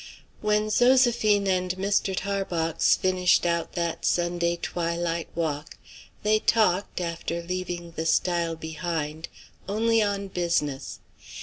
When Zoséphine and Mr. Tarbox finished out that Sunday twilight walk, they talked, after leaving the stile behind, only on business.